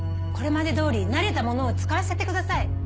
これまでどおり慣れたものを使わせてください。